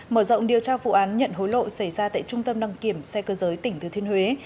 mở rộng điều tra vụ án nhận hối lộ xảy ra tại trung tâm đăng kiểm xe cơ giới tỉnh thừa thiên huế